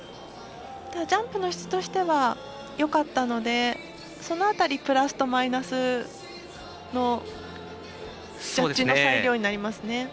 ジャンプの質としてはよかったので、その辺りプラスとマイナスのジャッジの裁量になりますね。